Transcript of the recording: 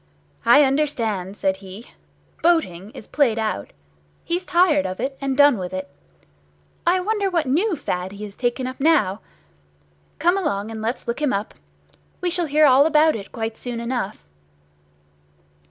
"I understand," said he. "Boating is played out. He's tired of it, and done with it. I wonder what new fad he has taken up now? Come along and let's look him up. We shall hear all about it quite soon enough."